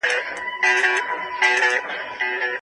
نړیوالې تجربې به زموږ په پلانونو کي ځای پر ځای سوې وي.